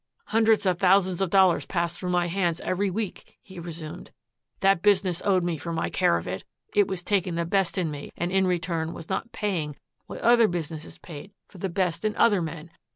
"Hundreds of thousands of dollars passed through my hands every week," he resumed. "That business owed me for my care of it. It was taking the best in me and in return was not paying what other businesses paid for the best in other men.